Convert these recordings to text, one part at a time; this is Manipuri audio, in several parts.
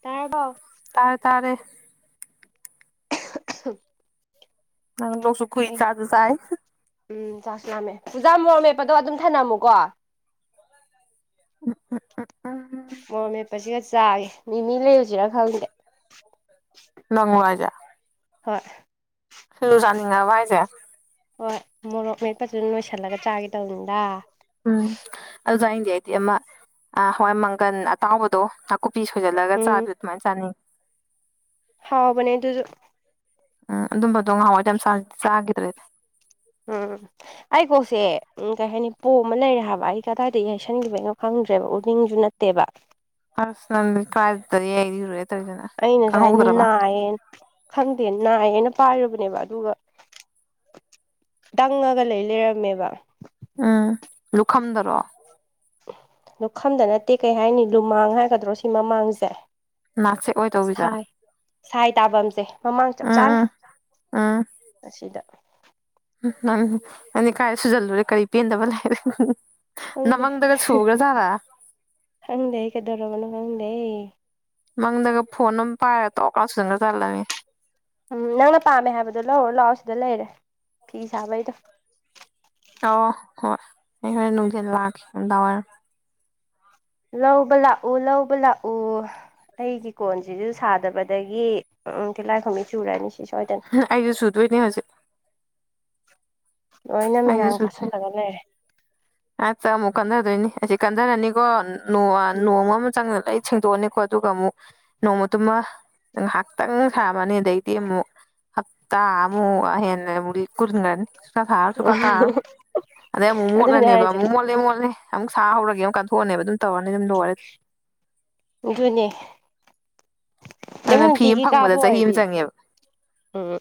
ꯇꯥꯔꯕꯣ ꯇꯥꯔꯦ ꯇꯥꯔꯦ [unintelligible] ꯅꯪ ꯂꯣꯛꯁꯨ ꯈꯨꯏ ꯑꯩ ꯆꯥꯖꯨ ꯆꯥꯏ ꯎꯝ ꯆꯥꯛꯁꯨ ꯂꯥꯝꯃꯦ ꯄꯨꯖꯥ ꯃꯣꯔ ꯃꯦꯞꯄꯗꯣ ꯑꯗꯨꯝ ꯊꯅꯝꯃꯨꯀꯣ ꯎꯝ ꯎꯝ ꯎꯝ ꯃꯣꯔꯝ ꯃꯦꯞꯄꯁꯤꯒ ꯆꯥꯏ ꯃꯤꯃꯤ ꯂꯩꯔꯨꯁꯤꯔꯥ ꯈꯪꯗꯦ ꯂꯪꯋꯥꯖꯥ ꯍꯣꯏ ꯂꯨꯖꯥꯅꯤꯡꯉꯕ ꯍꯥꯏꯁꯦ ꯍꯣꯏ ꯃꯣꯔꯣꯛ ꯃꯦꯠꯄꯗꯨꯅ ꯂꯣꯏꯁꯤꯜꯂꯒ ꯆꯥꯒꯦ ꯇꯧꯕꯅꯤꯗ ꯎꯝ ꯑꯗꯨꯖꯥꯏꯗꯤ ꯑꯩꯗꯤ ꯑꯃ ꯍꯋꯥꯏ ꯃꯪꯒꯟ ꯑꯇꯥꯎꯕꯗꯣ ꯀꯨꯄꯤ ꯁꯣꯏꯖꯜꯂꯒ ꯎꯝ ꯆꯥꯕꯤꯗꯣ ꯑꯗꯨꯃꯥꯏꯅ ꯆꯥꯅ ꯍꯥꯎꯕꯅꯦ ꯑꯗꯨꯁꯨ ꯎꯝ ꯑꯗꯨꯝꯕꯗꯣ ꯉꯍꯥꯎꯋꯥꯏꯗꯤꯥꯗꯤ ꯆꯥꯈꯤꯗ꯭ꯔꯦꯗꯤ ꯎꯝ ꯑꯩꯀꯣꯁꯦ ꯎ ꯀꯩ ꯍꯥꯏꯅꯤ ꯄꯣ ꯑꯃ ꯂꯩꯔꯦ ꯍꯥꯏꯕ ꯑꯩ ꯀꯗꯥꯏꯗꯒꯤ ꯌꯥꯁꯟꯈꯤꯕꯩꯅꯣ ꯈꯪꯗ꯭ꯔꯦꯕ ꯎꯅꯤꯡꯁꯨꯨꯅ ꯇꯦꯕ ꯑꯁ ꯅꯪ ꯀꯜꯗꯦ ꯍꯦꯒ ꯏꯔ ꯑꯩꯅ ꯁꯨꯃꯥꯏ ꯅꯥꯏꯌꯦꯅ ꯈꯪꯗꯦ ꯅꯥꯏꯌꯦꯅ ꯄꯥꯏꯔꯨꯕꯅꯦꯕ ꯑꯗꯨꯒ ꯇꯪꯉꯒ ꯂꯩ ꯂꯩꯔꯝꯃꯦꯕ ꯎꯝ ꯂꯨꯈꯝꯗꯔꯣ ꯑꯗꯨ ꯈꯝꯗ ꯅꯠꯇꯦ ꯀꯩ ꯍꯥꯏꯅꯤ ꯂꯨꯃꯥꯡ ꯍꯥꯏꯒꯗ꯭ꯔꯣ ꯁꯤ ꯃꯃꯥꯡꯁꯦ ꯅꯥꯆꯦꯛ ꯑꯣꯏ ꯇꯧꯕꯤꯗꯣ ꯁꯥꯏ ꯁꯥꯏ ꯇꯥꯐꯝꯁꯦ ꯃꯃꯥꯡ ꯆꯞ ꯎꯝ ꯆꯥꯅ ꯎꯝ ꯑꯁꯤꯗ ꯎ ꯅꯪ ꯑ ꯀꯥꯏ ꯁꯨꯖꯜꯂꯨꯔꯦ ꯀꯔꯤ ꯄꯦꯟꯗꯕ ꯂꯩꯕꯩ ꯍ ꯍ ꯅ ꯈꯪꯗꯦ ꯃꯪꯗꯒꯁꯨ ꯍꯨꯒ꯭ꯔ ꯆꯂ ꯈꯪꯗꯦ ꯀꯩꯗꯧꯔꯕꯅꯣ ꯈꯪꯗꯦ ꯃꯪꯗꯒ ꯐꯣꯟ ꯑꯃꯝ ꯄꯥꯏꯔ ꯇꯧꯔꯀꯥꯟ ꯁꯨꯗꯟ ꯈ ꯆꯠꯜꯂꯝꯃꯤ ꯎꯝ ꯅꯪꯅ ꯄꯥꯝꯃꯦ ꯍꯥꯏꯕꯗꯣ ꯂꯧꯔ ꯂꯥꯛꯑꯣ ꯁꯤꯗ ꯂꯩꯔꯦ ꯐꯤ ꯁꯥꯕꯩꯗꯣ ꯑꯧ ꯍꯣꯢ ꯑꯩ ꯍꯣꯔꯦꯟ ꯅꯨꯡꯗꯤꯟ ꯂꯥꯛꯀꯦ ꯅꯨꯡꯗꯥꯡꯋꯥꯢꯔꯝ ꯂꯧꯕ ꯂꯥꯛꯑꯣ ꯂꯧꯕ ꯂꯥꯛꯑꯣ ꯑꯩꯒꯤ ꯀꯣꯟꯁꯤꯖꯨ ꯁꯥꯗꯕꯗꯒꯤ ꯎꯝ ꯇꯤꯜꯂꯥꯏꯈꯨꯝꯕꯤ ꯆꯨꯔꯅꯤ ꯁꯤ ꯁꯣꯢꯗ ꯑꯩꯖꯨ ꯁꯨꯗꯣꯏꯅꯦ ꯍꯧꯖꯤꯛ ꯂꯣꯏꯅ ꯃꯤꯔꯥꯡ ꯀꯥꯁꯜꯂꯒ ꯂꯩꯔꯦ ꯍꯦꯛꯇ ꯑꯃꯨꯛ ꯀꯟꯅꯗꯣꯏꯅꯤ ꯑꯁꯤ ꯀꯟꯊꯔꯅꯤꯀꯣ ꯎꯝ ꯅꯣꯡꯃ ꯑꯃ ꯆꯪꯅ ꯂꯩ ꯁꯦꯡꯗꯣꯛꯑꯅꯤꯀꯣ ꯑꯗꯨꯒ ꯑꯃꯨꯛ ꯅꯣꯡꯃꯗꯨꯃ ꯉꯥꯏꯍꯥꯛꯇꯪ ꯁꯥꯔꯝꯃꯅꯤ ꯑꯗꯩꯗꯤ ꯑꯃꯨꯛ ꯍꯞꯇꯥ ꯑꯃꯨ ꯍꯦꯟꯅ ꯑꯃꯨꯛ ꯀꯨꯟꯒꯔꯅꯤ ꯁꯨꯡꯁꯥ ꯁꯥꯔꯔꯣꯢ ꯁꯨꯡꯀꯥ ꯀꯥꯔꯔꯣꯢ ꯑꯗꯩ ꯑꯃꯨꯃꯨꯛ ꯑꯗꯨꯅꯦ ꯍꯥꯏꯁꯦ ꯃꯣꯠꯂꯦ ꯃꯣꯠꯂꯦ ꯑꯃꯨꯛ ꯁꯥ ꯍꯧꯔꯒꯦ ꯑꯃꯛ ꯀꯥꯟꯊꯣꯛꯑꯅꯤꯕ ꯑꯗꯨꯝ ꯇꯧꯔꯅꯤ ꯑꯗꯨꯝ ꯂꯣꯏꯔꯦ ꯑꯗꯨꯝ ꯗꯨꯅꯦ ꯑꯗꯨꯅ ꯐꯤ ꯑꯃ ꯐꯪꯕꯗ ꯀꯥꯕ ꯆꯍꯤ ꯑꯃ ꯑꯣꯏꯔꯗꯤ ꯆꯪꯉꯦꯕ ꯎꯝ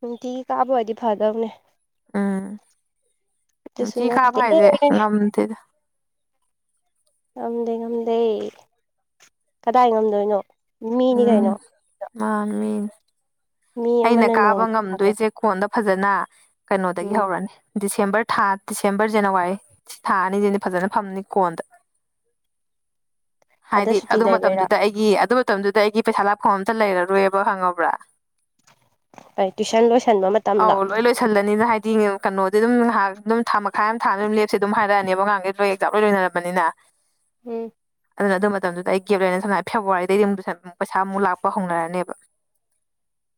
ꯅꯨꯡꯇꯤꯒꯤ ꯀꯥꯕ ꯑꯣꯏꯗꯤ ꯐꯗꯧꯅꯦ ꯎꯝ ꯑꯗꯨꯁꯨ ꯅꯨꯡꯇꯤ ꯀꯥꯕ ꯅꯠꯇꯦ ꯍꯥꯏꯁꯦ ꯉꯝꯗꯦꯗ ꯉꯝꯗꯦ ꯉꯝꯗꯦ ꯀꯗꯥꯏ ꯉꯝꯗꯣꯏꯅꯣ ꯃꯤꯅꯤ ꯎꯝ ꯀꯩꯅꯣ ꯃꯥꯅꯤ ꯃꯤ ꯑꯩꯅ ꯑꯃꯅ ꯀꯥꯕ ꯅꯣꯡꯃ ꯑꯗ ꯉꯝꯗꯣꯏꯁꯦ ꯀꯣꯟꯗ ꯐꯖꯅ ꯀꯩꯅꯣꯗꯒꯤ ꯎꯝ ꯍꯧꯔꯅꯤ ꯗꯤꯁꯦꯝꯕꯔ ꯊꯥ ꯗꯤꯁꯦꯝꯕꯔ ꯖꯅꯋꯥꯔꯤ ꯊꯥ ꯑꯅꯤꯁꯤꯗꯤ ꯐꯖꯅ ꯐꯝꯅꯤ ꯀꯣꯟꯗ ꯑꯗ ꯍꯥꯏꯗꯤ ꯁꯨꯇꯤ ꯑꯗꯨ ꯂꯩꯕꯩꯔꯥ ꯃꯇꯝꯗꯨꯗ ꯑꯩ ꯌꯦ ꯑꯗꯨ ꯃꯇꯝꯗꯨꯗ ꯑꯩꯒꯤ ꯄꯩꯁꯥ ꯂꯥꯞꯐꯝ ꯑꯝꯇ ꯂꯩꯔꯔꯣꯏꯕ ꯈꯪꯉꯕ꯭ꯔꯥ ꯀꯩ ꯇꯨꯏꯁꯟ ꯂꯣꯏꯁꯟꯕ ꯃꯇꯝꯂꯥ ꯁꯜꯂꯅꯤꯅ ꯍꯥꯏꯗꯤ ꯀꯩꯅꯣꯗꯤ ꯑꯗꯨꯝ ꯉꯍꯥꯛ ꯑꯗꯨꯝ ꯊꯥ ꯃꯈꯥꯏ ꯑꯃ ꯊꯥ ꯑꯃꯗꯤ ꯑꯗꯨꯝ ꯂꯦꯞꯁꯦ ꯑꯗꯨꯝ ꯍꯥꯏꯔꯛꯑꯅꯤꯕ [unintelligible] ꯖꯥꯝ ꯂꯣꯏ ꯂꯣꯏꯅꯔꯝꯕꯅꯤꯅ ꯎꯝ ꯑꯗꯨꯅ ꯑꯗꯨ ꯃꯇꯝꯗꯨꯗ ꯑꯩ ꯒꯦꯞ ꯂꯅ ꯁꯝꯅ ꯐꯦꯕꯋꯥꯔꯤꯗꯩꯗꯤ ꯑꯃꯨ ꯄꯩꯁꯥ ꯑꯃꯨꯛ ꯂꯥꯛꯄ ꯍꯧꯅꯔꯅꯤꯕ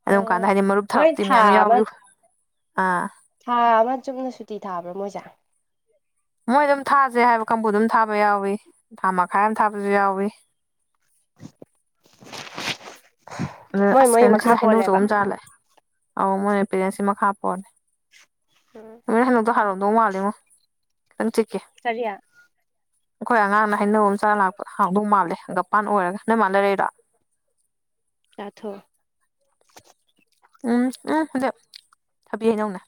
ꯑꯗꯨꯝ ꯑꯣ ꯀꯥꯟꯗ ꯍꯥꯏꯗꯤ ꯃꯔꯨꯞ ꯃꯣꯏ ꯊꯥꯔꯨꯞꯇꯤ ꯊꯥ ꯃꯌꯥꯝ ꯑꯃ ꯌꯥꯎꯔꯤ ꯑꯥ ꯊꯥ ꯑꯃ ꯆꯨꯞꯅ ꯁꯨꯇꯤ ꯊꯥꯕ꯭ꯔꯥ ꯃꯣꯏꯖꯦ ꯃꯣꯏ ꯑꯗꯨꯝ ꯊꯥꯖꯦ ꯍꯥꯏꯕ ꯀꯥꯡꯕꯨ ꯑꯗꯨꯝ ꯊꯥꯕ ꯌꯥꯎꯏ ꯊꯥ ꯃꯈꯥꯏ ꯑꯃ ꯊꯥꯕꯖꯨ ꯌꯥꯎꯋꯤ ꯑꯗꯨꯅ ꯃꯣꯏ ꯑꯁ ꯃꯣꯏ ꯀꯩꯅꯣ ꯃꯈꯥ ꯁꯤꯗꯅ ꯍꯩꯅꯧ ꯑꯆꯧꯕ ꯄꯣꯜꯂꯦꯕ ꯑꯃ ꯆꯥꯔꯒ ꯂꯥꯚꯑꯦ ꯑꯧ ꯃꯣꯢ ꯄꯦꯔꯦꯟꯁꯀꯤ ꯃꯈꯥ ꯄꯣꯜꯂꯦ ꯎꯝ ꯅꯪ ꯍꯩꯅꯧꯗꯣ ꯍꯥꯎꯔꯝꯗꯧ ꯃꯥꯜꯂꯤꯉꯣ ꯈꯤꯇꯪ ꯆꯤꯛꯀꯦ ꯀꯔꯤ ꯑꯩꯈꯣꯏ ꯑꯉꯥꯡꯅ ꯍꯩꯅꯧ ꯑꯃ ꯆꯥꯥꯔ ꯂꯥꯛꯄ ꯍꯥꯡꯗꯧ ꯃꯥꯜꯂꯦ ꯍꯪꯒꯄꯥꯟ ꯑꯣꯏꯔꯒ ꯅꯣꯏ ꯃꯥꯥꯅ ꯂꯩꯔꯛꯢꯔꯣ ꯆꯥꯊꯣꯛꯎꯣ ꯎꯝ ꯎꯝ ꯁꯤꯗꯤ ꯊꯥꯕꯤ ꯍꯩꯅꯧꯅꯦ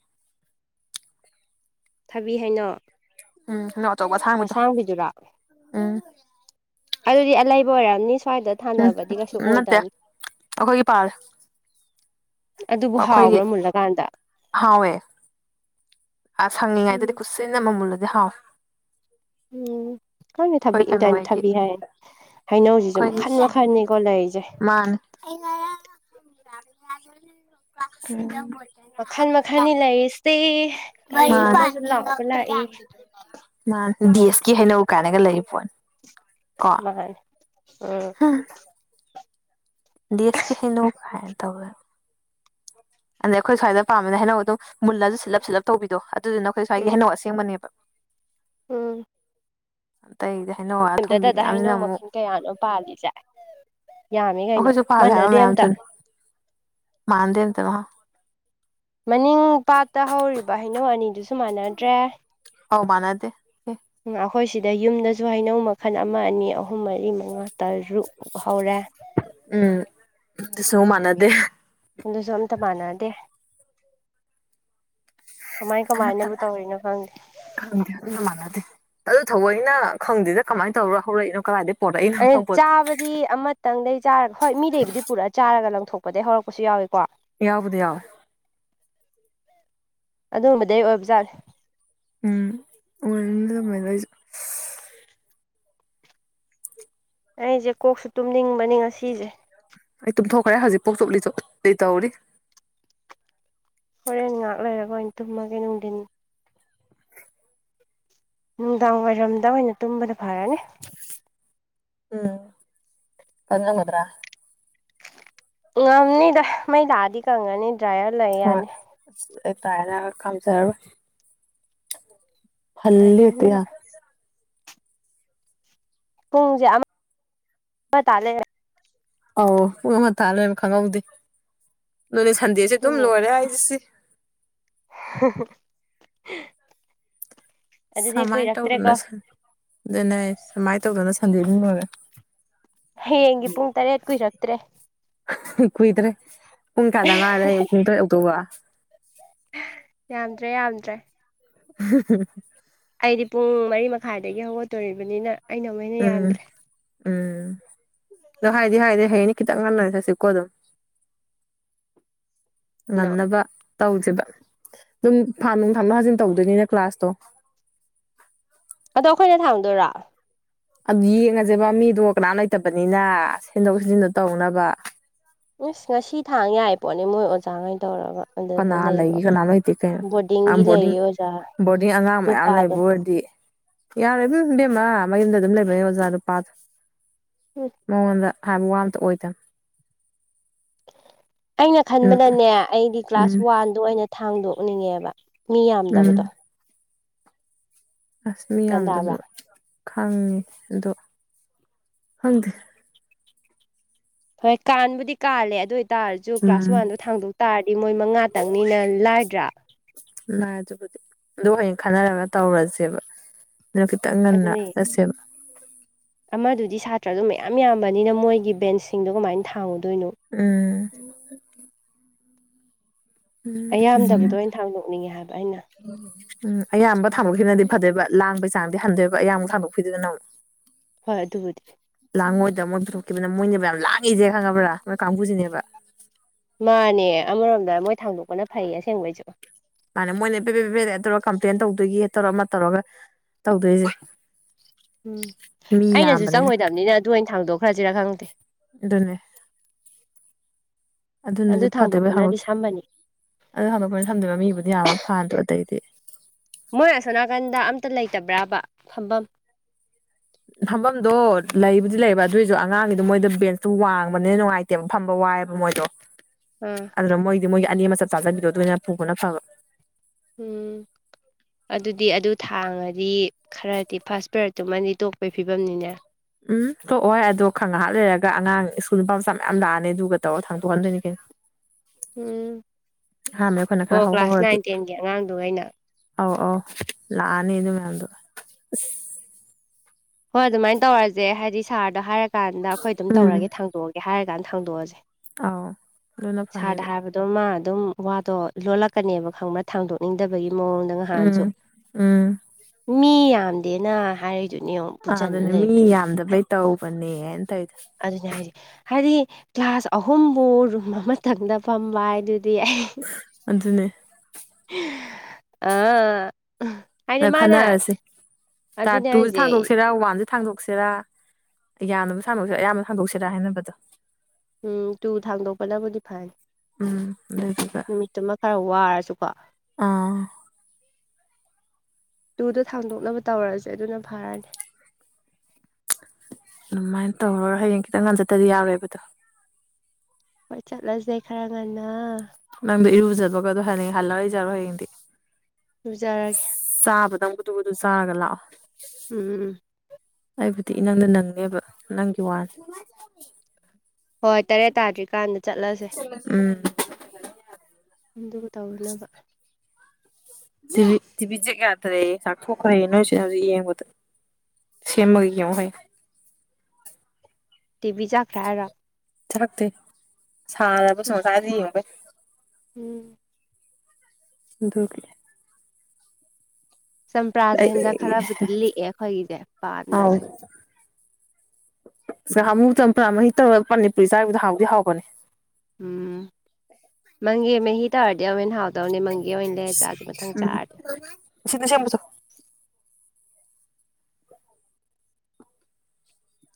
ꯊꯥꯕꯤ ꯍꯩꯅꯧ ꯎꯝ ꯍꯩꯅꯧ ꯑꯆꯧꯕ ꯑꯁꯥꯡꯕꯤꯗꯣ ꯎꯝ ꯑꯗꯨꯗꯤ ꯑꯂꯩꯕ ꯑꯣꯏꯔꯝꯅꯤ ꯁ꯭ꯋꯥꯏꯗ ꯊꯥꯅꯕꯗꯤ ꯀꯩꯁꯨ ꯎꯝ ꯅꯠꯇꯦ ꯑꯣꯏꯗꯝꯅꯤ ꯑꯩꯈꯣꯏꯒꯤ ꯄꯥꯜꯂꯦ ꯑꯗꯨꯕꯨ ꯑꯩꯈꯣꯏꯒꯤ ꯍꯥꯎꯕ꯭ꯔꯥ ꯃꯨꯜꯂꯀꯥꯟꯗ ꯍꯥꯎꯋꯦ ꯑ ꯎꯝ ꯁꯪꯉꯤꯉꯥꯏꯗꯗꯤ ꯈꯨꯠꯁꯤꯟꯅ ꯃꯨꯜꯂꯗꯤ ꯍꯥꯎꯋꯦ ꯎꯝ ꯈꯪꯗꯦ ꯊꯥꯕꯤ ꯑꯩꯈꯣꯏ ꯀꯩꯅꯣ ꯏꯟꯇꯔꯅ ꯍꯣꯏꯒꯤ ꯊꯥꯕꯤ ꯍꯥꯏ ꯍꯩꯅꯧꯖꯤꯖꯨ ꯑꯩꯈꯣꯏꯒꯤ ꯃꯈꯟ ꯁꯤ ꯃꯈꯟꯅꯤꯀꯣ ꯂꯩꯔꯤꯖꯦ [unintelligible] ꯃꯈꯟ ꯑꯍꯥꯟꯕꯅꯦ ꯃꯈꯟꯅꯤ ꯂꯩꯔꯤꯁꯦ ꯃꯔꯤ ꯀꯔꯤꯅꯣꯃꯁꯨ ꯄꯥꯟꯕꯤ ꯂꯥꯎꯕ ꯉꯛꯇ ꯂꯥꯛꯏ ꯌꯥꯟꯕꯤꯗꯨꯅꯦ ꯗꯦꯁꯀꯤ ꯍꯩꯅꯧ ꯀꯥꯏꯅ ꯂꯩꯔꯤ ꯄꯣꯠꯅꯤ ꯀꯣ ꯃꯥꯅꯦ ꯎꯝ ꯗꯦꯁꯁꯀꯤ ꯍꯩꯩꯅꯧ ꯀꯥꯢꯅ ꯇꯧꯗꯅ ꯑꯗꯩ ꯑꯩꯈꯣꯏ ꯁ꯭ꯋꯥꯏ ꯄꯥꯃꯤꯅ ꯍꯩꯅꯧ ꯑꯗꯨꯝ ꯃꯨꯜꯂꯖꯨ ꯁꯤꯜꯂꯞ ꯁꯤꯠꯂꯞ ꯇꯧꯕꯤꯗꯣ ꯑꯗꯨꯗꯨꯅ ꯑꯩꯈꯣꯏ ꯁ꯭ꯋꯥꯏꯒꯤ ꯎꯝ ꯍꯩꯅꯧ ꯑꯁꯦꯡꯕꯅꯦꯕ ꯎꯝ ꯑꯇꯩꯗꯤ ꯍꯥꯏꯩ ꯍꯥꯢꯔ ꯑꯊꯨꯝꯕꯤ ꯑꯝꯇꯗꯗ ꯃꯌꯥꯝꯁꯤꯅ ꯍꯩꯅꯧ ꯑꯃꯨꯛ ꯃꯈꯜ ꯀꯌꯥꯅꯣ ꯄꯥꯜꯂꯤꯖꯦ ꯑꯣꯈꯩꯁꯨ ꯀꯥꯂꯕ ꯃꯌꯥꯝꯌꯥꯝ ꯊ ꯑꯝꯇ ꯃꯥꯥꯟꯗ ꯅꯗ ꯃꯅꯤꯡ ꯄꯥꯠꯇ ꯍꯧꯔꯤꯕ ꯍꯩꯅꯧ ꯑꯅꯤꯗꯨꯁꯨ ꯃꯥꯟꯅꯗ꯭ꯔꯦ ꯑꯧ ꯃꯅꯗꯦ ꯑꯩꯈꯣꯏ ꯁꯤꯗ ꯌꯨꯝꯗꯁꯨ ꯍꯩꯅꯧ ꯃꯈꯜ ꯑꯃ ꯑꯅꯤ ꯑꯍꯨꯝ ꯃꯔꯤ ꯃꯉꯥ ꯇꯔꯨꯛ ꯍꯧꯔꯦ ꯎꯝ ꯑꯗꯨꯁꯨ ꯃꯥꯟꯅꯗꯦ ꯑꯗꯨꯁꯨ ꯑꯝꯇ ꯃꯥꯟꯅꯗꯦ ꯀꯃꯥꯏ ꯑꯃꯠꯇ ꯀꯃꯥꯏꯅꯕꯨ ꯇꯧꯔꯤꯅꯣ ꯈꯪꯗꯦ ꯈꯪꯗꯦ ꯑꯗꯨꯅ ꯃꯥꯟꯅꯗꯦ ꯑꯗꯨ ꯊꯑꯣꯏꯩꯅ ꯈꯪꯗꯦꯗ ꯀꯃꯥꯏꯅ ꯇꯧꯔꯣ ꯍꯧꯔꯛꯏꯅꯣ ꯀꯗꯥꯥꯏꯏꯗ ꯑ ꯆꯥꯕꯗꯤ ꯑꯃ ꯈꯤꯇꯪꯗꯩ ꯆꯥꯔꯒ ꯍꯣꯏ ꯃꯤꯗꯩꯕꯨꯗꯤ ꯄꯨꯔꯛ ꯆꯥꯔꯒ ꯂꯪꯊꯣꯛꯄꯗꯩ ꯍꯧꯔꯛꯄꯁꯨ ꯌꯥꯎꯋꯤꯀꯣ ꯌꯥꯎꯕꯨꯗꯤ ꯌꯥꯎꯋꯦ ꯑꯗꯨꯒꯨꯝꯕꯗꯩ ꯑꯣꯏꯕ ꯖꯥꯠꯅꯦ ꯎꯝ [unintelligible] ꯑꯩꯖꯨ ꯀꯣꯛꯁꯨ ꯇꯨꯝꯅꯤꯡꯕꯅꯤ ꯉꯁꯤꯖꯦ ꯑꯩ ꯇꯨꯝꯊꯣꯛꯈ꯭ꯔꯦ ꯍꯧꯖꯤꯛꯄꯧ ꯆꯣꯠꯂꯤ ꯆꯣꯠꯂꯤ ꯇꯧꯔꯤ ꯍꯣꯔꯦꯟ ꯉꯥꯏꯍꯥꯛ ꯂꯩꯔꯒ ꯑꯣꯏꯅꯩꯅ ꯇꯨꯝꯃꯒꯦ ꯅꯨꯡꯗꯤꯟ ꯅꯨꯡꯗꯥꯡ ꯋꯥꯏꯔꯝꯗ ꯑꯣꯏꯅ ꯇꯨꯝꯕꯅ ꯐꯔꯅꯤ ꯎꯝ ꯈꯪꯉꯝꯒꯗ꯭ꯔꯥ ꯉꯝꯅꯤꯗ ꯃꯩ ꯂꯥꯛꯑꯗꯤ ꯀꯪꯉꯅꯤ ꯗ꯭ꯔꯥꯏꯌꯔ ꯂꯩ ꯌꯥꯅꯤ ꯗ꯭ꯔꯥꯏꯌꯔꯅ [unintelligible] ꯄꯨꯡꯁꯦ ꯑꯃ ꯑꯃ ꯇꯥ ꯂꯩ ꯑꯧ ꯄꯨꯡꯟꯇꯥ ꯂꯣꯏꯅ ꯈꯪꯍꯧꯗꯦ ꯅꯣꯏꯅꯦ ꯁꯟꯗꯦꯁꯦ ꯑꯗꯨꯝ ꯑꯗꯨꯅꯦ ꯂꯣꯏꯔꯦ ꯍꯥꯏꯁꯤꯁꯤ [unintelligible] ꯑꯗꯨꯗꯤ ꯁꯨꯃꯥꯏꯅ ꯇꯧꯗꯅ ꯀꯨꯏꯔꯛꯇ꯭ꯔꯦꯀꯣ ꯑꯗꯨꯅꯦ ꯁꯨꯃꯥꯏꯅ ꯇꯧꯗꯅ ꯁꯟꯗꯦ ꯗꯨꯝ ꯂꯣꯏꯔꯦ ꯍꯌꯦꯡꯒꯤ ꯄꯨꯡ ꯇꯔꯦꯠ ꯀꯨꯏꯔꯛꯇ꯭ꯔꯦ ꯀꯨꯏꯗ꯭ꯔꯦ ꯄꯨꯡ ꯀꯌꯥꯗ ꯉꯥꯏꯔꯦ ꯑ ꯄꯨꯡ ꯇꯔꯦꯠ ꯑꯥꯎꯛꯇꯧꯕ ꯌꯥꯝꯗ꯭ꯔꯦ ꯌꯥꯝꯗ꯭ꯔꯦ [unintelligible] ꯑꯩꯗꯤ ꯄꯨꯡ ꯃꯔꯤ ꯃꯈꯥꯏꯗꯒꯤ ꯍꯧꯒꯠꯇꯣꯔꯤꯕꯅꯤꯅ ꯑꯩꯅ ꯑꯃꯨꯛ ꯍꯦꯟꯅ ꯎꯝ ꯌꯥꯝꯗ꯭ꯔꯦ ꯎꯝ ꯑꯗꯣ ꯍꯥꯏꯗꯤ ꯍꯥꯏꯗꯤ ꯍꯌꯦꯅꯤ ꯈꯤꯇꯪ ꯉꯜꯟꯅꯅꯤ ꯆꯠꯁꯤꯀꯣ ꯑꯗꯨꯝ ꯀꯩꯅꯣ ꯉꯟꯅꯕ ꯇꯧꯁꯦꯕ ꯑꯗꯨꯝ ꯐꯥ ꯅꯨꯡ ꯊꯝꯅ ꯍꯥꯖꯤꯟ ꯇꯧꯗꯣꯏꯅꯤꯅꯦ ꯀ꯭ꯂꯥꯁꯇꯣ ꯑꯗꯣ ꯑꯩꯈꯣꯏꯅ ꯊꯥꯡ ꯗꯣꯏꯔꯣ ꯑꯗꯨ ꯌꯦꯡꯉꯁꯦꯕ ꯃꯤꯗꯣ ꯀꯅꯥꯝ ꯂꯩꯇꯕꯅꯤꯅ ꯁꯦꯝꯗꯣꯛ ꯁꯤꯖꯤꯟꯗ ꯇꯧꯅꯕ ꯉꯁꯤ ꯊꯥꯡ ꯌꯥꯏ ꯄꯣꯠꯅꯦ ꯃꯣꯏ ꯑꯣꯖꯥꯉꯩ ꯇꯧꯔꯕ ꯀꯅꯥ ꯂꯩꯒ ꯀꯅꯥꯝ ꯂꯩꯇꯦ ꯀꯩꯅꯣ ꯕꯣꯔꯗꯤꯡꯒꯤ ꯕꯣꯔꯗꯤꯡ ꯂꯩꯔꯤ ꯑꯣꯖꯥ ꯕꯣꯔꯗꯤꯡ ꯑꯉꯥꯡ ꯃꯌꯥꯝ ꯅꯨꯄꯥꯗꯣ ꯂꯩꯕ ꯑꯣꯏꯔꯗꯤ ꯌꯥꯔꯣꯏꯕꯕꯦꯝꯃ ꯃꯌꯨꯝꯗ ꯑꯗꯨꯝ ꯂꯩꯕꯅꯦ ꯑꯣꯖꯥ ꯅꯨꯄꯥꯗ ꯎꯝ ꯃꯉꯣꯟꯗ ꯍꯥꯏꯕ ꯋꯥ ꯑꯝꯇ ꯑꯣꯏꯗꯕ ꯑꯩꯅ ꯎꯝ ꯈꯟꯕꯗꯅꯦ ꯑꯩꯗꯤ ꯀ꯭ꯂꯥꯁ ꯎꯝ ꯋꯥꯟꯗ ꯑꯣꯏꯅ ꯊꯥꯡꯗꯣꯛꯅꯤꯡꯉꯦꯕ ꯃꯤ ꯌꯥꯝꯗꯕꯗꯣ ꯎꯝ ꯑꯁ ꯃꯤ ꯒ꯭ꯌꯥꯟ ꯌꯥꯝꯗꯕꯁꯨ ꯇꯥꯕ꯭ꯔꯥ ꯈꯪꯉꯤ ꯑꯗꯣ ꯈꯪꯗꯦ ꯍꯣꯏ ꯀꯥꯟꯕꯨꯗꯤ ꯀꯥꯜꯂꯦ ꯑꯗꯨ ꯑꯣꯏ ꯇꯥꯔꯁꯨ ꯀ꯭ꯂꯥꯁ ꯎꯝ ꯋꯥꯟꯗꯣ ꯊꯥꯡꯗꯣꯛ ꯇꯥꯔꯗꯤ ꯃꯣꯏ ꯃꯉꯥꯇꯪꯅꯤꯅ ꯂꯥꯏꯗ꯭ꯔꯥ ꯥꯏ ꯑꯗꯨꯕꯨꯗꯤ ꯑꯗꯨ ꯍꯌꯦꯡ ꯈꯟꯅꯔꯒ ꯇꯧꯔꯁꯦꯕ ꯑꯗꯨꯅ ꯈꯤꯇꯪ ꯉꯟꯅ ꯑꯗꯨꯅꯦ ꯆꯠꯁꯦꯕ ꯑꯃꯗꯨꯗꯤ ꯁꯥꯇ꯭ꯔꯗꯣ ꯃꯌꯥꯝ ꯌꯥꯝꯕꯅꯤꯅ ꯃꯣꯏꯒꯤ ꯕꯦꯟꯁꯁꯤꯡꯗꯣ ꯀꯃꯥꯏꯅ ꯊꯥꯡꯉꯨꯗꯣꯏꯅꯣ ꯎꯝ ꯎꯝ ꯎꯝ ꯑꯩꯌꯥꯝꯗꯕꯗꯣ ꯑꯩꯅ ꯊꯥꯡꯗꯣꯛꯅꯤꯡꯉꯦ ꯍꯥꯏꯕ ꯑꯩꯅ ꯎꯝ ꯑꯌꯥꯝꯕ ꯊꯥꯡꯗꯣꯛꯈꯤꯕꯅꯗꯤ ꯐꯗꯦꯕ ꯂꯥꯡꯕꯩ ꯆꯥꯡꯗꯤ ꯍꯟꯗꯣꯏꯕ ꯑꯌꯥꯝꯕ ꯊꯥꯗꯣꯛꯄꯤꯗꯣꯏꯗꯅ ꯑꯃꯨꯛ [inaudible] ꯍꯣꯏ ꯑꯗꯨꯕꯨꯗꯤ ꯂꯥꯡꯉꯣꯏꯗ ꯃꯣꯏ ꯄꯨꯊꯣꯛꯈꯤꯕꯅ ꯃꯣꯏꯅꯦꯕ ꯌꯥꯝ ꯂꯥꯡꯉꯤꯖꯦ ꯈꯪꯉꯕ꯭ꯔꯥ ꯃꯣꯏ ꯀꯥꯡꯕꯨꯖꯤꯅꯦꯕ ꯃꯥꯅꯦ ꯑꯃꯔꯣꯝꯗ ꯃꯣꯏ ꯊꯥꯡꯗꯣꯛꯄꯅ ꯐꯩ ꯑꯁꯦꯡꯕꯩꯖꯨ ꯃꯥꯅꯦ ꯃꯣꯏꯅ ꯄꯦꯕꯦ ꯄꯦꯕꯦ ꯇꯧꯔꯒ ꯀꯝꯄ꯭ꯂꯦꯟ ꯇꯧꯗꯣꯏꯒ ꯇꯧꯔ ꯑꯃ ꯇꯧꯔꯒ ꯇꯧꯗꯣꯏꯖꯦ ꯎꯝ ꯑꯩꯅꯖꯨ ꯌꯥꯝꯕꯅꯤꯅ ꯆꯪꯉꯣꯏꯗꯕꯅꯤꯅ ꯑꯗꯨ ꯑꯣꯏꯅ ꯊꯥꯡꯗꯣꯛꯈ꯭ꯔꯁꯤꯔꯥ ꯈꯪꯗꯦ ꯑꯗꯨꯅꯦ ꯑꯗꯨ ꯑꯗꯨꯅꯁꯨ ꯐꯗꯣꯏꯕ [unintelligible] ꯊꯥꯡꯗꯣꯛꯄꯅꯗꯤ ꯁꯝꯕꯅꯤ ꯑꯗꯨ ꯍꯥꯡꯗꯣꯛꯄꯅ ꯊꯝꯗꯅ ꯃꯤꯕꯨꯗꯤ ꯌꯥꯝ ꯐꯥꯟꯗ꯭ꯔꯣ ꯑꯗꯩꯗꯤ ꯃꯣꯏ ꯑꯁꯣ ꯅꯥꯀꯟꯗ ꯑꯝꯇ ꯂꯩꯇꯕ꯭ꯔꯕ ꯐꯝꯕꯝ ꯐꯝꯕꯝꯗꯣ ꯂꯩꯕꯨꯗꯤ ꯂꯩꯌꯦꯕ ꯑꯗꯣꯏꯖꯄ ꯑꯉꯥꯡꯒꯤꯗꯣ ꯃꯣꯏꯗ ꯕꯦꯟꯁꯇꯨ ꯋꯥꯡꯕꯅꯦꯅ ꯅꯨꯡꯉꯥꯏ ꯌꯥꯝ ꯐꯝꯕ ꯋꯥꯏꯦꯕ ꯃꯣꯏꯗꯣ [unintelligible] ꯑꯗꯨꯅ ꯃꯣꯏꯗꯤ ꯃꯣꯏꯒꯤ ꯑꯅꯤ ꯑꯃꯆꯞ ꯆꯥꯖꯕꯤꯗꯣ ꯑꯗꯨꯅ ꯐꯕꯅ ꯎꯝ ꯑꯗꯨꯗꯤ ꯑꯗꯨ ꯊꯥꯡꯉꯗꯤ ꯈꯔꯗꯤ ꯐꯥꯔꯁ ꯄ꯭ꯔꯗꯛꯇꯨꯃꯗꯤ ꯇꯣꯛ ꯑꯩꯈꯣꯏ ꯐꯤꯕꯝꯅꯤꯅꯦ ꯎꯝ ꯊꯣꯛꯑꯣꯍꯣꯏ ꯑꯗꯣ ꯈꯪ ꯉꯥꯏꯍꯥꯛ ꯂꯩꯔꯒ ꯑꯉꯥꯡ ꯁ꯭ꯀꯨꯜ ꯅꯨꯄꯥ ꯃꯆꯥ ꯃꯌꯥꯝ ꯂꯥꯛꯑꯅꯤ ꯑꯗꯨꯒ ꯇꯧꯔꯒ ꯊꯥꯡꯗꯣꯛꯍꯟꯗꯣꯏꯅꯤ ꯀꯩꯅꯣ [inaudible] ꯎꯝ ꯑꯍꯥꯟꯕꯗ ꯑꯩꯈꯣꯏꯅ ꯈꯔ ꯑꯣ ꯀ꯭ꯂꯥꯁ ꯍꯧꯍꯧꯔꯗꯤ ꯅꯥꯏꯟ ꯇꯦꯟꯒꯤ ꯑꯉꯥꯡꯗꯣ ꯑꯩꯅ ꯑꯧ ꯑꯧ ꯂꯥꯛꯑꯅꯤ ꯑꯗꯨ ꯃꯌꯥꯝꯗꯣ ꯍꯣꯏ ꯑꯗꯨꯃꯥꯏꯅ ꯇꯧꯔꯁꯦ ꯍꯥꯏꯗꯤ ꯁꯥꯔꯗꯥ ꯍꯥꯏꯔꯀꯥꯟꯗ ꯑꯩꯈꯣꯏ ꯑꯗꯨꯝ ꯎꯝ ꯇꯧꯔꯒꯦ ꯊꯥꯡꯗꯣꯛꯑꯒꯦ ꯍꯥꯏꯔ ꯀꯥꯟꯗ ꯊꯥꯡꯗꯣꯛꯑꯁꯦ ꯑꯥꯎ ꯑꯗꯨꯅ ꯐꯅꯤꯕ ꯑꯗꯣ ꯃꯥ ꯑꯗꯨꯝ ꯋꯥꯗꯣ ꯂꯣꯜꯂꯛꯀꯅꯦꯕ ꯈꯪꯕ꯭ꯔ ꯊꯥꯡꯗꯣꯛꯅꯤꯡꯗꯕꯒꯤ ꯃꯑꯣꯡ ꯅꯪꯍꯥꯟꯁꯨ ꯎꯝ ꯎꯝ ꯃꯤ ꯌꯥꯝꯗꯦꯅ ꯍꯥꯏꯔꯛꯏꯗꯨꯅꯤ ꯌꯦꯡꯉꯣ ꯑꯥ ꯑꯗꯨꯅꯦ ꯃꯤ ꯌꯥꯝꯗꯕꯩ ꯇꯧꯕꯅꯦꯅ ꯇꯧꯋꯤꯗꯣ ꯑꯗꯨꯅꯦ ꯍꯥꯏꯖꯦ ꯍꯥꯏꯗꯤ ꯀ꯭ꯂꯥꯁ ꯑꯍꯨꯝꯕꯨ ꯔꯨꯝ ꯑꯃꯇꯪꯗ ꯐꯝꯕ ꯍꯥꯏ ꯑꯗꯨꯗꯤ ꯑꯩ ꯑꯗꯨꯅꯦ ꯑꯥ ꯍꯥꯏꯗꯤ ꯅ ꯃꯥꯅ ꯈꯟꯅꯔꯁꯤ ꯇꯥ ꯑꯗꯨꯅꯦ ꯇꯨꯁ ꯍꯥꯏꯁꯦ ꯊꯥꯡꯗꯣꯛꯁꯤꯔ ꯋꯥꯟꯁ ꯊꯥꯡꯗꯣꯛꯁꯤꯔꯥ ꯌꯥꯝꯗꯕ ꯁꯥꯡꯗꯣꯛꯁꯤꯔꯥ ꯑꯌꯥꯝꯕ ꯁꯥꯡꯗꯣꯛꯁꯤꯔꯥ ꯍꯥꯏꯅꯕꯗꯣ ꯎꯝ ꯇꯨ ꯊꯥꯡꯗꯣꯛꯄꯅꯕꯨꯗꯤ ꯐꯔ ꯎꯝ ꯑꯗꯨꯗꯨꯒ ꯅꯨꯃꯤꯠꯇꯨꯃ ꯈꯔ ꯋꯥꯔꯁꯨꯀꯣ ꯑꯥ ꯇꯨꯗꯣ ꯊꯥꯡꯗꯣꯛꯅꯕ ꯇꯧꯔꯁꯦ ꯑꯗꯨꯅ ꯐꯔꯅꯤ ꯑꯗꯨꯃꯥꯏꯅ ꯇꯧꯔ ꯍꯌꯦꯡ ꯈꯤꯇꯪ ꯉꯟ ꯆꯠꯇꯔꯗꯤ ꯌꯥꯔꯣꯏꯕ ꯑꯗꯣ ꯍꯣꯏ ꯆꯠꯂꯁꯦ ꯈꯔ ꯉꯟꯅ ꯅꯪꯗꯣ ꯏꯔꯨꯖꯕꯒꯗꯣ ꯍꯌꯦꯡ ꯍꯜꯂꯛꯑꯒ ꯏꯖꯔꯣ ꯍꯌꯦꯡꯗꯤ ꯂꯖꯔꯒꯦ ꯆꯥꯕꯗꯪ ꯕꯨꯗꯨ ꯕꯨꯗꯨ ꯆꯥꯔꯒ ꯂꯥꯛꯑꯣ ꯎꯝ ꯑꯩꯕꯨꯗꯤ ꯏꯅꯪꯗ ꯅꯪꯅꯤꯕ ꯅꯪꯒꯤ ꯋꯥꯅꯤ ꯍꯣꯏ ꯇꯔꯦꯠ ꯇꯥꯗ꯭ꯔꯤꯀꯥꯟꯗ ꯆꯠꯂꯁꯦ ꯎꯝ ꯑꯗꯨꯒ ꯇꯧꯔꯨꯅꯕ ꯇꯤꯕꯤ ꯇꯤꯕꯤꯖꯦꯛ ꯌꯥꯗ꯭ꯔꯦꯌꯦ ꯆꯥꯛꯊꯣꯛꯈ꯭ꯔꯦ ꯅꯣꯏꯆꯦꯅ ꯍꯧꯖꯤꯛ ꯌꯦꯡꯕꯗ ꯁꯦꯝꯃꯒ ꯌꯦꯡꯉꯣ ꯇꯤꯚꯤ ꯆꯥꯛꯈ꯭ꯔꯦ ꯍꯥꯏꯔꯣ ꯆꯥꯛꯇꯦ ꯁꯥꯔꯕ [unintelligible] ꯎꯝ ꯑꯗꯨꯒꯤ ꯆꯝꯄꯔꯥꯁꯦ ꯑꯩ ꯍꯟꯗꯛ ꯈꯔꯕꯨꯗꯤ ꯂꯤꯛꯑꯦ ꯑꯩꯈꯣꯏꯒꯤꯁꯦ ꯑꯥꯎ ꯄꯥꯟꯕꯁꯦ ꯉꯍꯥꯟꯃꯨꯛ ꯆꯝꯄꯔꯥ ꯃꯍꯤ ꯇꯧꯔꯒ ꯄꯥꯅꯤꯄꯨꯔꯤ ꯆꯥꯒꯤꯕꯗꯣ ꯍꯥꯎꯗꯤ ꯍꯥꯎꯕꯅꯤ ꯎꯝ ꯃꯪꯒꯦ ꯃꯤ ꯇꯥꯔꯗꯤ ꯑꯃꯨꯛ ꯍꯦꯟꯅ ꯍꯥꯎ ꯑꯗꯧꯅꯦ ꯃꯪꯒꯦ ꯑꯣꯏꯅ ꯂꯩꯔ ꯆꯥꯁꯦ ꯃꯊꯪ ꯆꯥꯔꯗꯤ ꯑꯁꯤ ꯁꯦꯝꯃꯨꯆꯣ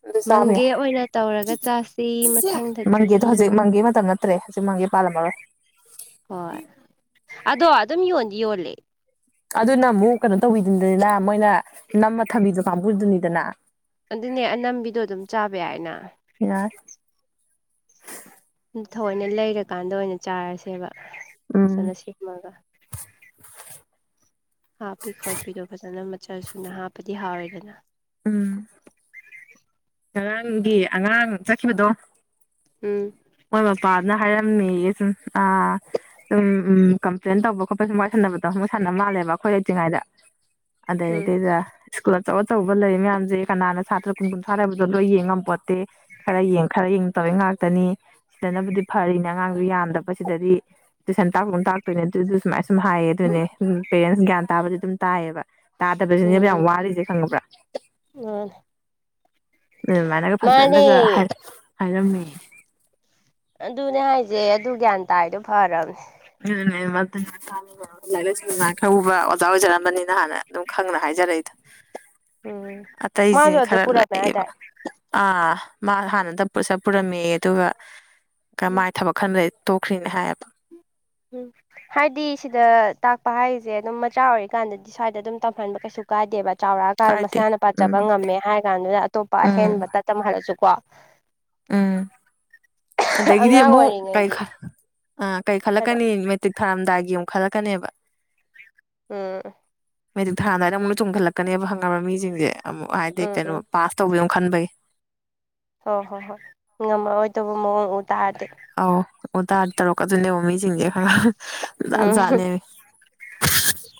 ꯑꯗꯨ ꯆꯥꯕ ꯃꯪꯒꯦ ꯌꯥꯏ ꯑꯣꯏꯅ ꯇꯧꯔꯒ ꯆꯥꯁꯤ ꯃꯊꯪꯗꯗꯤ ꯃꯪꯒꯤ ꯃꯇꯝ ꯅꯠꯇ꯭ꯔꯦ ꯍꯧꯖꯤꯛ ꯃꯪꯒꯤ ꯄꯥꯜꯂꯝꯃꯔꯣꯏ ꯍꯣꯏ ꯑꯗꯣ ꯑꯗꯨꯝ ꯌꯣꯟꯗꯤ ꯌꯣꯜꯂꯦ ꯑꯗꯨꯅ ꯑꯃꯨꯛ ꯀꯩꯅꯣ ꯇꯧꯕꯤꯗꯨꯅꯤꯅ ꯃꯣꯏꯅ ꯅꯝꯃ ꯊꯝꯕꯤ ꯀꯥꯡꯕꯨꯗꯨꯅꯤꯗꯅ ꯑꯗꯨꯅꯦ ꯑꯅꯝꯕꯤꯗꯣ ꯑꯗꯨꯝ ꯆꯥꯕ ꯌꯥꯏꯅ ꯌꯥꯏ ꯊꯑꯣꯏꯅ ꯂꯩꯔꯀꯥꯟꯗ ꯑꯣꯏꯅ ꯆꯥꯔꯁꯦꯕ ꯎꯝ ꯐꯖꯅ ꯁꯦꯝꯃꯒ ꯍꯥꯞꯄꯤ ꯈꯣꯠꯄꯤꯗꯣ ꯐꯖꯅ ꯃꯆꯜ ꯁꯨꯅ ꯍꯥꯞꯄꯗꯤ ꯍꯥꯎꯔꯦꯗꯅ ꯎꯝ ꯉꯔꯥꯡꯒꯤ ꯑꯉꯥꯡ ꯆꯠꯈꯤꯕꯗꯣ ꯎꯝ ꯃꯣꯏ ꯃꯄꯥꯅ ꯍꯥꯏꯔꯝꯃꯤꯌꯦ ꯁꯨꯝ ꯑ ꯎꯝ ꯎꯝ ꯀꯝꯄ꯭ꯂꯦꯟ ꯇꯧꯕ ꯈꯣꯠꯄ ꯁꯨꯝ ꯋꯥꯔꯤ ꯁꯥꯟꯅꯕꯗꯣ ꯃꯣꯏ ꯁꯥꯟꯅ ꯃꯥꯜꯂꯦꯕ ꯑꯩꯈꯣꯏ ꯂꯩꯇ꯭ꯔꯤꯉꯩꯗ ꯑꯗꯩꯗꯤꯗ ꯁ꯭ꯀꯨꯜ ꯑꯆꯧ ꯑꯆꯧꯕ ꯂꯩ ꯃꯌꯥꯝꯁꯦ ꯀꯅꯥꯅ ꯁꯥꯇ꯭ꯔ ꯀꯨꯟ ꯀꯨꯟ ꯁꯥꯟꯅꯕꯗꯣ ꯂꯣꯏ ꯌꯦꯡꯉꯝꯄꯣꯠꯇꯦ ꯈꯔ ꯌꯦꯡ ꯈꯔ ꯌꯦꯡ ꯇꯧꯏ ꯉꯥꯛꯇꯅꯤ ꯁꯤꯗꯅꯕꯨꯗꯤ ꯐꯔꯤꯅꯦ ꯑꯉꯥꯡꯁꯨ ꯌꯥꯝꯗꯕ ꯁꯤꯗꯗꯤ ꯇꯨꯏꯁꯟ ꯇꯥꯛꯄꯒꯨꯝ ꯇꯥꯛꯇꯣꯏꯅꯦ ꯑꯗꯨꯖꯨ ꯁꯨꯃꯥꯏ ꯁꯨꯝ ꯍꯥꯏꯌꯦ ꯑꯗꯨꯅꯦ ꯄꯦꯔꯦꯟꯁ ꯒ꯭ꯌꯥꯟ ꯇꯥꯕꯗꯤ ꯑꯗꯨꯝ ꯇꯥꯏꯌꯦꯕ ꯇꯥꯗꯕꯁꯤꯅꯦꯕ ꯌꯥꯝ ꯋꯥꯔꯤꯁꯦ ꯈꯪꯉꯕ꯭ꯔꯥ ꯑꯣ ꯑꯗꯨꯃꯥꯏꯅꯒ ꯃꯥꯅꯦ ꯐꯖꯅꯒ ꯍꯥꯏꯔꯝꯃꯤ ꯑꯗꯨꯅꯦ ꯍꯥꯏꯁꯦ ꯑꯗꯨ ꯒ꯭ꯌꯥꯟ ꯇꯥꯏꯗꯣ ꯐꯔꯕꯅꯦ ꯗꯨꯅꯦ ꯂꯥꯏꯔꯤꯛ ꯂꯥꯏꯁꯨ ꯃꯉꯥꯜ ꯈ ꯎꯕ ꯑꯣꯖꯥ ꯑꯣꯏꯖꯔꯝꯕꯅꯤꯅ ꯍꯥꯟꯅ ꯑꯗꯨꯝ ꯈꯪꯅ ꯍꯥꯏꯖꯔꯛꯏꯗꯣ ꯎꯝ ꯑꯇꯩ ꯖꯤꯡ ꯃꯥꯁꯨ ꯑꯗ ꯈꯔ ꯄꯨꯔꯝꯃꯦ ꯂꯩꯑꯦꯕ ꯍꯥꯏꯇꯥꯔꯦ ꯑꯥ ꯃꯥ ꯍꯥꯟꯅꯗ ꯄꯣꯠꯁ ꯄꯨꯔꯝꯃꯦꯌꯦ ꯑꯗꯨꯒ ꯎꯝ ꯃꯥꯏ ꯊꯕꯛ ꯈꯟꯗꯦ ꯇꯣꯛꯈ꯭ꯔꯤꯅꯦ ꯍꯥꯏꯌꯦꯕ ꯎꯝ ꯍꯥꯏꯗꯤ ꯁꯤꯗ ꯇꯥꯛꯄ ꯍꯥꯏꯔꯤꯖꯦ ꯑꯗꯨꯝ ꯃꯆꯥ ꯑꯣꯏꯔꯤꯀꯥꯟꯗꯗꯤ ꯁ꯭ꯋꯥꯏꯗ ꯑꯗꯨꯝ ꯇꯝꯍꯟꯕ ꯀꯩꯁꯨ ꯀꯥꯏꯗꯦꯕ ꯆꯥꯎꯔꯛꯑꯀꯥꯟꯗ ꯀꯥꯏꯗꯦ ꯃꯁꯥꯅ ꯄꯥꯖꯕ ꯎꯝ ꯉꯝꯃꯦ ꯍꯥꯏꯔ ꯀꯥꯟꯗꯨꯗ ꯑꯇꯣꯞꯄ ꯎꯝ ꯑꯍꯦꯟꯕꯇ ꯇꯝꯍꯜꯂꯁꯨꯀꯣ ꯎꯝ ꯑꯗꯒꯤꯗꯤ ꯑꯉꯥꯡ ꯑꯃꯨꯛ ꯀꯩ ꯑꯣꯏꯔꯤꯉꯩꯗꯤ ꯑ ꯀꯩ ꯍꯥꯏꯔꯣ ꯈꯜꯂꯛꯀꯅꯤ ꯇꯤꯛ ꯊꯥꯔꯝꯗꯥꯏꯒꯤ ꯑꯃꯨꯛ ꯈꯜꯂꯛꯀꯅꯦꯕ ꯎꯝ ꯃꯦꯇꯤꯛ ꯊꯔꯝꯗꯥꯏꯗ ꯑꯃꯨꯛ ꯂꯣꯏ ꯆꯨꯡꯈꯠꯂꯛꯀꯅꯦꯕ ꯍꯪꯉꯕ ꯃꯤꯁꯤꯡꯁꯦ ꯑꯃꯨꯛ ꯍꯥꯏꯗꯤ ꯎꯝ ꯀꯩꯅꯣ ꯎꯝ ꯄꯥꯁ ꯇꯧꯕꯩ ꯃꯨꯛ ꯈꯟꯕꯩ ꯑꯣ ꯍꯣꯏ ꯍꯣꯏ ꯉꯝꯃꯔꯣꯏꯗꯧꯕ ꯃꯑꯣꯡ ꯎ ꯇꯥꯔꯗꯤ ꯑꯣ ꯎ ꯇꯥꯔꯗꯤ ꯇꯧꯔꯛꯀꯗꯣꯏꯅꯦ ꯃꯤꯁꯤꯡꯁꯦ ꯖꯥꯠ ꯖꯥꯠꯅꯦ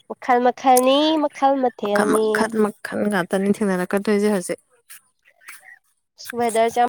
ꯃꯥꯈꯜ ꯃꯈꯜꯅꯤ ꯃꯈꯜ ꯃ ꯃꯈꯟ ꯃꯈꯟ ꯃꯈꯟ ꯉꯥꯛꯇꯅꯤ ꯊꯦꯡꯅꯔꯛꯀꯗꯣꯏꯁꯦ ꯍꯧꯖꯤꯛ ꯋꯦꯗ꯭ꯔꯖꯦ ꯌ